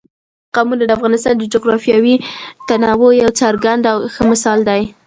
قومونه د افغانستان د جغرافیوي تنوع یو څرګند او ښه مثال دی.